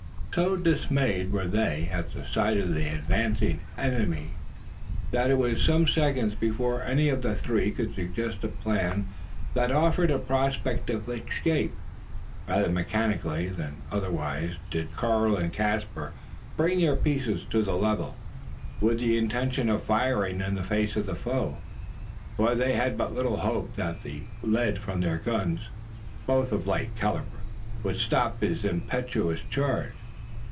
So dismayed were they at the sight of the advancing enemy, that it was some seconds before any of the three could suggest a plan that offered a prospect of escape. Rather mechanically than otherwise did Karl and Caspar bring their pieces to the level, with the intention of firing in the face of the foe: for they had but little hope that the lead from their guns, both of light calibre, would stop his impetuous charge.